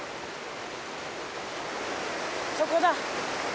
そこだ。